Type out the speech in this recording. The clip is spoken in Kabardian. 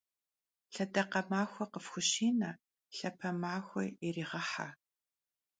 Lhedakhe maxue khıfxuşine, lhape maxue yiriğehe!